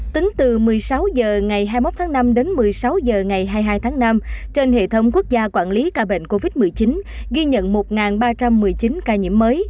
tính từ một mươi sáu h ngày hai mươi một tháng năm đến một mươi sáu h ngày hai mươi hai tháng năm trên hệ thống quốc gia quản lý ca bệnh covid một mươi chín ghi nhận một ba trăm một mươi chín ca nhiễm mới